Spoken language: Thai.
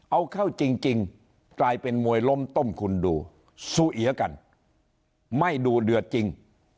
เอาเข้าจริงกลายเป็นมวยล้มต้มคุณดูซูเอียกันไม่ดูเดือดจริง